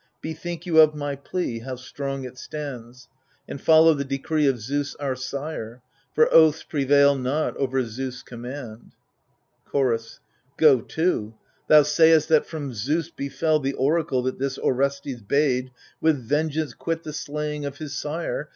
Bethink you of my plea, how strong it stands, And follow the decree of Zeus our sire, — For oaths prevail not over Zeus' command. Chorus Go to ; thou sayest that from Zeus befel The oracle that this Orestes bade With vengeance quit the slaying of his sire.